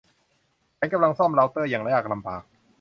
ฉันกำลังซ่อมเร้าเตอร์อย่างยากลำบาก